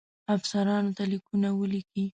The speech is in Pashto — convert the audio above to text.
افسرانو ته لیکونه ولیکي.